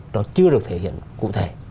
nó chưa được thể hiện cụ thể